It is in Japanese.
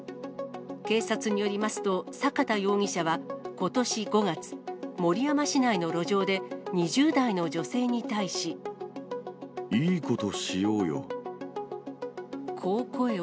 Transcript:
警察によりますと、坂田容疑者はことし５月、守山市内の路上で、２０代の女性に対し。いいことしようよ。